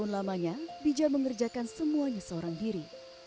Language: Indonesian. orang kasian ini